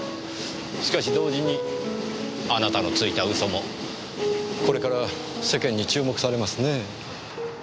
しかし同時にあなたのついた嘘もこれから世間に注目されますねぇ。